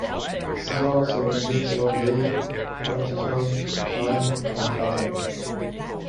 See also Index of wave articles, Time, and Pattern.